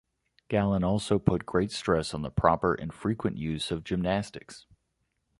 Galen also put great stress on the proper and frequent use of gymnastics.